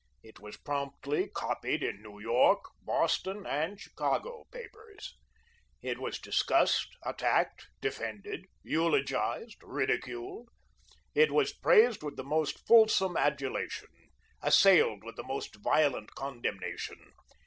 It was promptly copied in New York, Boston, and Chicago papers. It was discussed, attacked, defended, eulogised, ridiculed. It was praised with the most fulsome adulation; assailed with the most violent condemnation.